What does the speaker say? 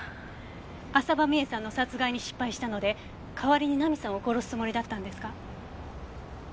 浅羽美恵さんの殺害に失敗したので代わりに奈美さんを殺すつもりだったんですか？